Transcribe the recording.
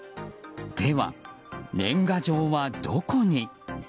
では、年賀状はどこに？